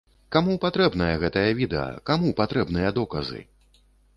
Каму патрэбнае гэтае відэа, каму патрэбныя доказы?